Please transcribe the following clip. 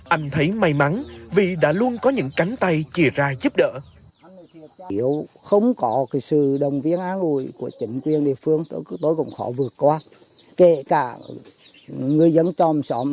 anh thấy may mắn vì đã luôn có những cánh tay chia ra giúp đỡ